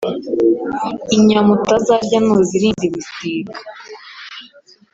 Inyama utazarya ntuzirinda ibisiga